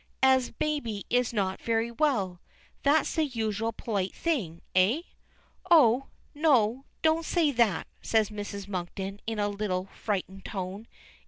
"As baby is not very well? That's the usual polite thing, eh?" "Oh! no, don't say that," says Mrs. Monkton in a little, frightened tone.